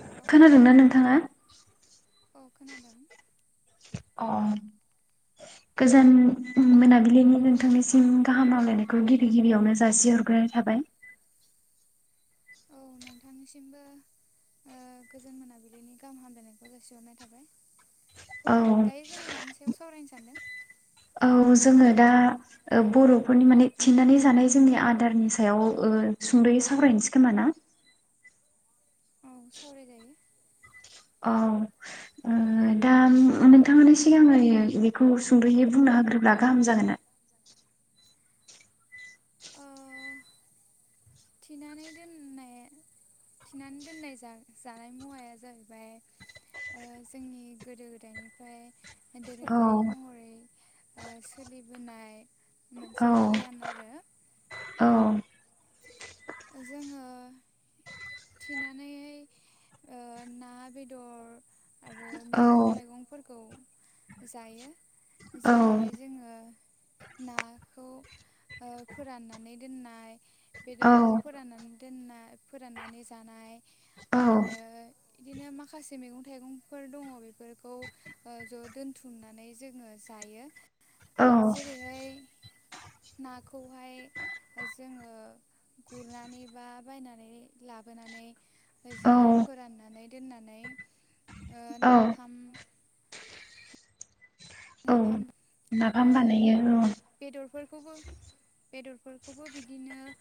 Hello खोनादोंना नोंथाङा। अखोनादों। अ गोजोन मोनाबिलिनि नोंथांनिसिम गाहामहामलायनायखौ गिबि गिबियावनो जासिहरग्रोनाय थाबाय। औ नोंथांनिसिमबो गोजोन ओ मोनाबिलिनि गाहाम हामलायनायखौ जासिहरनाय थाबाय। औ। दायो जोङो मानसेयाव सावरायनो सानदों। औ जोङो दा ओ बर'फोरनि माने थिननानै जानाय जोंनि आदारनि सायाव ओ सुंद'यै सावरायहनोसै खोमा ना। औ सावरायजायो। औ- ओ -दा नोंथाङानो सिगाङ बेखौ सुंद'यै बुंना होग्रोब्ला गाहाम जागोन ना। ओ थिनानै दोननाय थिनानै दोननाय जानाय मुवाया जाहैबाय ओ जोंनि गोदो गोदायनिफ्राय। एदि औ गारि मर। ओ सोलिबोनाय औ मोनसे गियान आरो। औ जोङो थिनानै ओ ना बेदर आरो औ मैगं थाइगंफोरखौ जायो औ जेरैहाय जोङो नाखौ ओ फोराननानै दोननाय औ बेदरखौ। फोराननानै दोननाय फोराननानै जानाय आरो बिदिनो माखासे मैगं थाइगंफोर दङ बेफोरखौ ओ ज' दोनथुमनानै जोङो जायो औ जेरैहाय नाखौहाय ओ जोङो। गुरनानै बा बायनानै लाबोनानै जोङो औ फोराननानै दोननानै। ओ औ नाफाम। औ नाफाम। नाफाम बानायो र। फोरखौबो बेदरफोरखौबो बिदिनोओ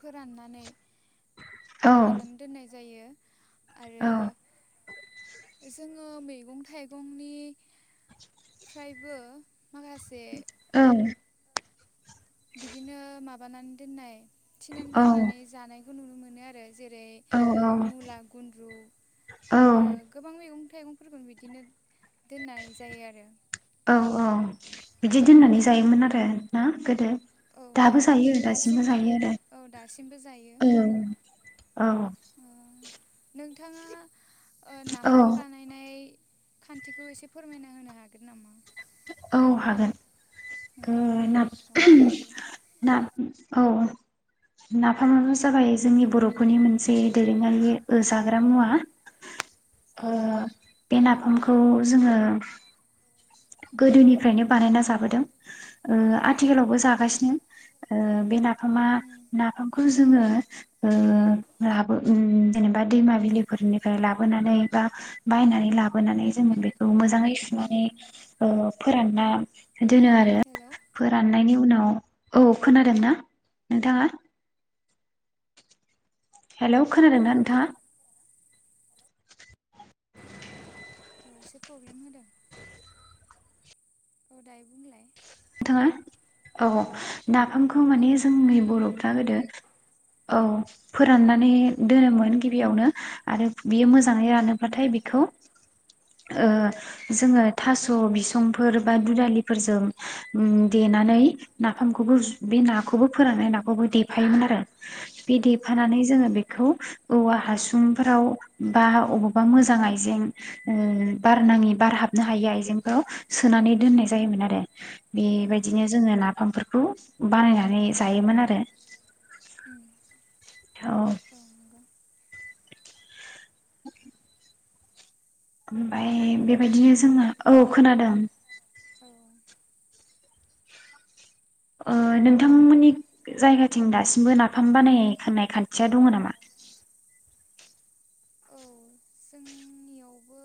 फोराननानै फोराननानै दोननाय जायो आरो जोङो मैगं थाइगंनिफ्रायबो माखासे औ-औ-औ-औ-औ-औ-औ बिदिनो माबानानै दोननाय थिनानै दोननानै जानायखौ नुनो मोनो आरो जेरै मुला गुन्द्रु आरो गोबां मैगं थाइगंफोरखौनो बिदिनो दोननाय जायो आरो। बिदि दोननानै औ जायोमोन आरो ना गोदो औ दाबो जायो दासिमबो जायो औ दासिमबो जायो आरो औ। औ नोंथाङा ओ नाफाम बानायनाय खान्थिखौ एसे फोरमायना होनो हागोन नामा? औ हागोन ओ ना नोंथांमोननियाव माबायदि ना औ नाफामानो जाबाय जोंनि बर'फोरनि मोनसे दोरोङारि जाग्रा मुवा। बे औ नाफामखौ जोङो गोदोनिफ्रायनो बानायना जाबोदों ओ आ आथिखालावबो औ उम जागासिनो ओ बे नाफामा नाफामखौ जोङो ओ लाबो उम जेनेबा दैमा बिलिफोरनिफ्राय लाबोनानै बा बायनानै लाबोनानै जोङो बेखौ मोजाङै सुनानै उम ओ फोरानना दोनो आरो हेलौ फोराननायनि उनाव औ खोनादों ना नोंथाङा? हेलौ खोनादोंना नोंथाङा? अ एसे प्रब्लेम होदों। औ दाय बुंलाय? नोंथाङा औ नाफामखौ ओं माने दायो जोंनि खोनाबाय दे बर'फ्रा नोंथां गोदो औ फोराननानै दोनोमोन गिबियावनो आरो बियो मोजां मोजाङै उम रानोब्लाथाय बेखौ ओ जोङो थास' बिसंफोर बा दुदालिफोरजों उम देनानै नाफामखौबो बे नाखौबो फोराननाय नाखौबो देफायोमोन आरो बे औ देफानानै जोङो बेखौ औवा हासुंफोराव बा अबावबा मोजां आइजें ओ बारनाङि बारहाबनो हायि आइजेंफोराव सोनानै दोननाय जायोमोन। उम बेबायदिनो जोङो नाफामफोरखौ बेखौ बानायनानै जायोमोन आरो उम औ [inaudible] ओमफ्राय हेलौ बेबायदिनो जोङो औ खोनादों। औ ओ नोंथांमोननि जायगाथिं दासिमबो नाफाम बानायनायनि खान्थिया दङ नामा? औ जोंनियावबो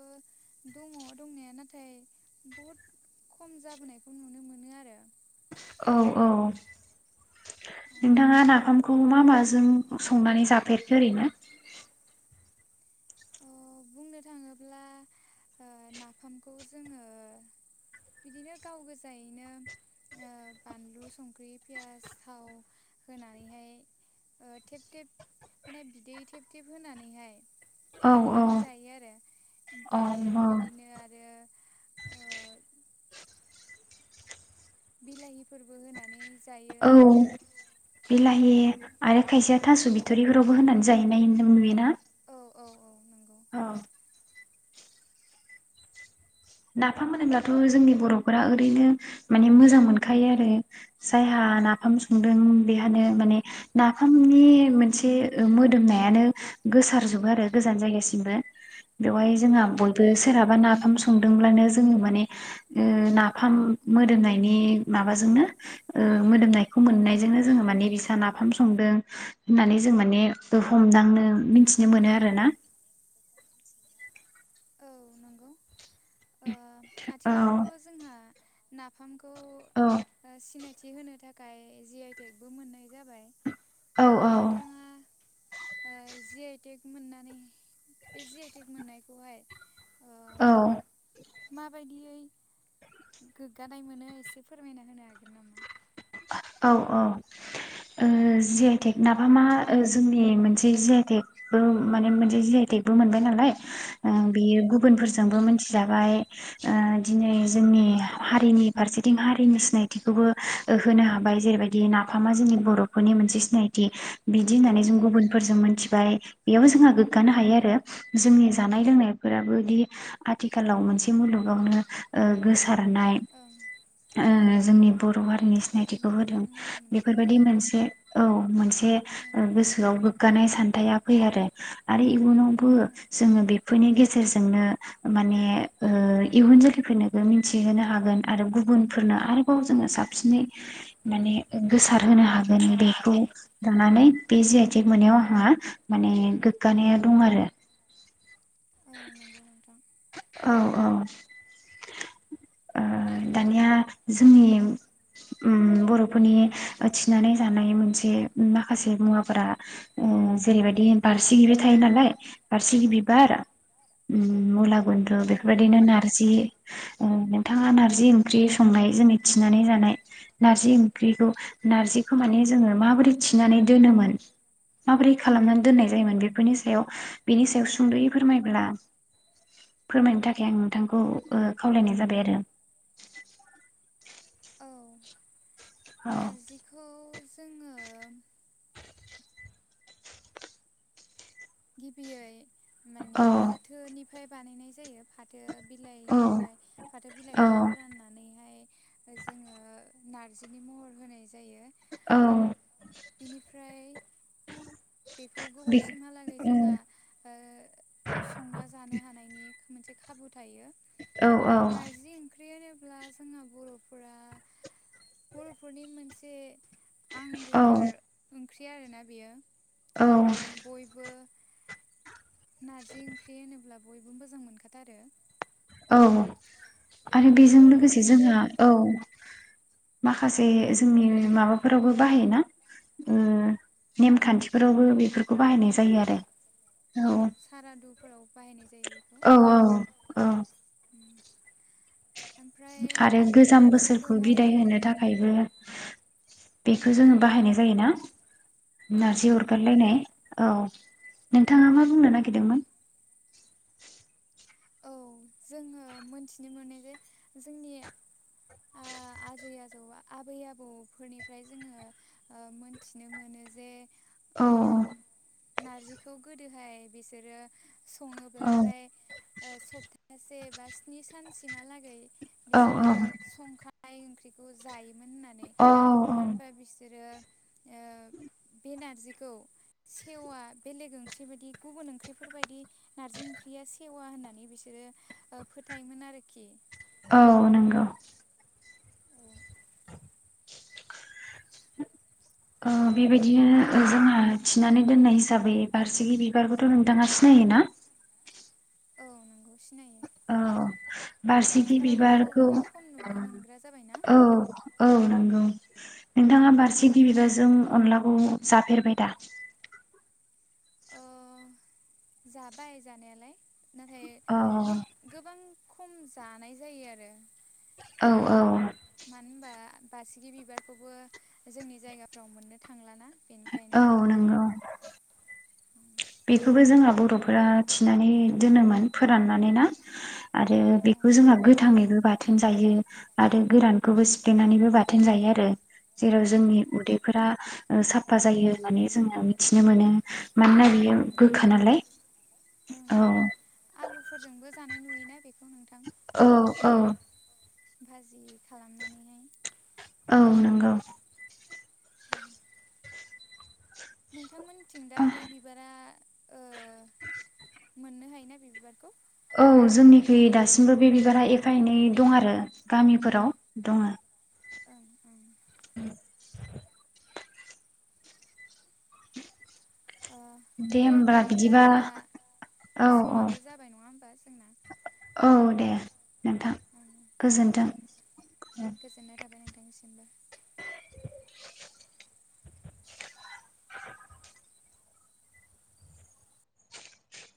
दङ दंनाया नाथाय बहुद खम जाबोनायखौ नुनो मोनो आरो। औ औ नोंथाङा नाफामखौ मा माजों संनानै जाफेरखो ओरैनो। औ बुंनो थाङोब्ला नाफामखौ जोङो बिदिनो गाव गोजायैनो बानलु संख्रि पियास थाव होनानैहाय थेब थेब माने बिदै थेब थेब होनानैहाय औ-औ संनानै जायो आरो ओमफ्राय बिदिनो आरो ओ बिलाहिफोरबो होनानै जायो। औ बिलाहि आरो खायसेया औ थास' बिथरिफोरावबो होनानै जाहैनाय नुयोना। औ औ नंगौ औ नाफाम होनोब्लाथ' जोंनि बर'फोरा ओरैनो माने मोजां मोनखायो आरो जायहा नाफाम संदों बेहानो माने नाफामनि मोनसे मोदोमनायानो गोसारजोबो आरो गोजान जायगासिमबो बेवहाय औ जोंहा बयबो नंगौ सोरहाबा नाफाम लांनो जोङो माने ओ नाफाम मोदोमनायनि माबाजोंनो मोदोमनायखौ मोननायजोंनो जोङो माने बिसा नाफाम संदों होननानै जों माने हमदांनो मिथिनो मोनो आरोना औ नंगौ औ आथिखालावथ' जोंहा नाफामखौ औ ओ सिनायथि होनो थाखाय जि आइटेकबो मोननाय जाबाय। औ नोंथाङा जि आइटक मोननानै बे जि आइटेक मोननायखौ गहाय औ। माबायदियै गोग्गानाय मोनो एसे फोरमायना होनो हागोन नामा? औ औ जि आइ टेक नाबा मा जोंनि मोनसे जि आइटेकबो माने मोनसे जि आइ टेकबो मोनबाय नालाय ओ बेयो ओं गुबुनफोरजोंबो ओं मिथिजाबाय दिनै ओं जोंनि हारिनि फारसेथिं हारिनि सिनायथिखौबो ओ होनो हाबाय जेरैबायदि नाफामा जोंनि बर'फोरनि मोनसे सिनायथि। बिदि उम होननानै जों उम गुबुनफोरजों मोनथिबाय। बेयाव जोंहा गोग्गानो हायो आरो जोंनि जानाय लोंनायफोराबोदि आथिखालाव मोनसे मुलुगावनो ओ गोसार लांनाय ओं ओ जोंनि बर' आंनि औ सिनायथिखौ होदों मुलुगनां महर मोननाय बेफोरबायदि मोनसे औ मोनसे। ओं गोसोआव गोग्गानाय सानथाया फै आरो आरो इयुनावबो ओं जोङो बेफोरनि गेजेराव गेजेरजोंनो माने इयुन जोलैफोरनोबो मिथिहोनो हागोन आरो गुबुनफोरनो आरोबाव जोङो सासिन सिनै माने गोसार होनो हागोन बेखौ लानानै बे जि आइटेक मोननायायाव आंहा माने गोग्गानाया दं आरो। औ नंगौ [inaudible] नोंथां औ औ ओ औ दानिया जोंनि बर'फोरनि थिनानै जानाय मोनसे माखासे मुवाफोरा जेरैबायदि बारसि गि थायो नालाय बारसिगि बिबार उ मुला गुन्द्रु औ बेफोरबायदिनो नार्जि नोंथाङा नारजि ओंख्रि नंगौ संनाय जोंनि थिनानै जानाय नारजि ओंख्रिखौ नारजिखौ माने जोङो माबोरै थिनानै दोनोमोन माबोरै खालामनानै दोननाय जायोमोन बेफोरनि सायाव बेनि सायाव सुंद'यै फोरमायब्ला फोरमायनो थाखाय आं नोंथांखौ खावलायनाय जाबाय आरो। औ औ नारजिखौ जोङो [inaudible] गिबियै माने औ फाथोनि फ्राय बानायनाय जायो फाथो बिलाइनिफ्राय औ फाथो बिलाइखौ औ फोराननानैहाय जोङो नारजिनि महर होनाय जायो औ बिनिफ्राय बेखौ बि गोबावसिमहालागै जोंहा ओ संना जानो हानायनि मोनसे खाबु थायो। औ औ जेनेब्ला जोंना बर'फोरा बर'फोरनि मोनसे आं औ गोथार ओं फ्रि आरोना बेयो औ माने बयबो नारजि ओंख्रि होनोब्लाब बयबो मोजां मोनखाथारो। अ आरो बेजों लोगोसे जोंहा औ माखासे औ जोंनि माबाफोरावबो बाहाय ना उम नेमखान्थिफोरावबो बेफोर खौ औ बाहायनाय जायो आरो औ बायनायस औ औ अ अ ओमफ्राय आरो गोजाम बोसोरखौ नारजिखौहाय बिदाय होनो थाखायबो बेखौ‌ जोङो ओं बाहायनाय जायोना नारजि ओं ओं अरगारलायनाय औ नोंथाङा मा बुंनो नागिरदोंमोन? औ जोङो मोनथिनो मोनो जे जोंनि आ आजै आजौआ आबै आबौफोरनिफ्राय जोङो ओ मोनथिनो मोनो जे औ ओ अ नारजिखौ गोदोहाय बिसोरो औ सङोब्लाथाय ओ सप्तास सेबा स्नि सानसिमहालागै औ बिसोरो संखा नाय ओंख्रिखौ जायो। होननानै औ मानो होनबा बिसोरो ओ बे नारजिखौ सेवा बेलेग ओंख्रि बायदि गुबुन ओंख्रिफोरबायदि नारजि ओंख्रिया सेव पवा होननानै बिसोरो ओ फोथायोमोन आरोखि औ नंगौ। औ अ बेबायदिनो ओ जोंहा थिनानै दोननाय हिसाबै बारसिखि बिबारखौथ' नोंथाङा सिनायोना? औ नंगौ सिनायो औ बारसिखि आथिखालावथ' बेखौ बिबारखौ गोबां खम नुनो मोनग्रा जाबायना औ औ नंगौ। नोंथाङा औ बारसिखि बिबारजों अनलाखौ जाफेरबाय दा? अ जाबाय जानायालाय नाथाय औ बुत गोबां खम जानाय जायो आरो औ औ मानो होनबा बासिगि बिबारखौबो जोंनि जायगाफ्राव मोननो थांलाना बेनिखायनो औ नंगौ बेखौबो जोंहा बर'फोरा थिनानै दोनोमोन, फोराननानै ना आरो औ बेखौ नंगौ जोंहा गोथाङैबो बाथोन जायो आरो औ गोरानखौबो सिफ्लेनानैबो बाथोन जायो आरो जेराव औ जोंनि उदैफोरा साफा जायो होननानै जोङो मिथिनो मोनो मानोना नंगौ गोखा नालाय ओं औ न बे औ औ भाजि खालामनानैहाय औ नंगौ नोंथांमोन थिं दा बे बिबारा ओ मोननो हायोना बे बिबार? औ जोंनिखै दासिमबो बे बिबारा एफा एनै दं आरो गामिफोराव दङ ओं ओं उ अ' दे होमबा होमब्ला नोंथां बिदिबा औ जोंहा औ समाबो जाबाय नङा होमबा जोंना औ दे नोंथां ओं दे गोजोन्थों गोजोननाय थाबाय नोंथांनिसिमबो